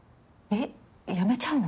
えっ辞めちゃうの？